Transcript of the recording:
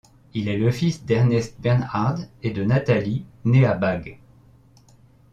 Il est le fils d’Ernst Bernhard et de Natalie née Bagh.